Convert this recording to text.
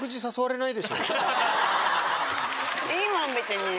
いいもん別に。